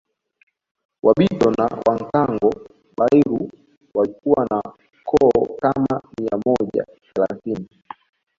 Wabito na Wankango Bairu walikuwa na koo kama mia moja thelathini